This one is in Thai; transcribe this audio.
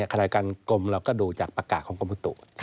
ขณะการกรมเราก็ดูจากประกาศของกรมอุตถุ